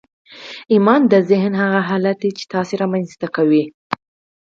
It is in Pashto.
ايمان د ذهن هغه حالت دی چې تاسې يې رامنځته کوئ.